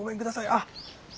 あっ。